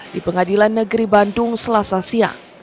di pengadilan negeri bandung selasa siang